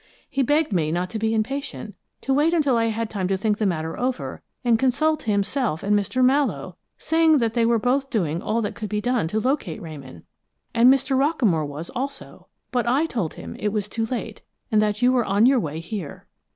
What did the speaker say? He begged me not to be impatient, to wait until I had time to think the matter over and consult himself and Mr. Mallowe, saying that they were both doing all that could be done to locate Ramon, and Mr. Rockamore was, also, but I told him it was too late, that you were on your way here."